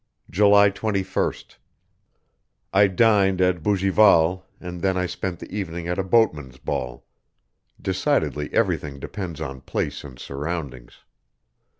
July 21st. I dined at Bougival, and then I spent the evening at a boatmen's ball. Decidedly everything depends on place and surroundings.